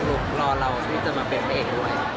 รอเราที่จะมาเป็นพระเอกด้วย